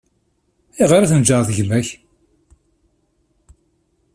Ayɣer i tneǧǧɛeḍ gma-k?